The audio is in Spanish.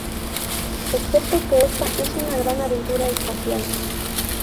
Excepto que está en una gran aventura espacial.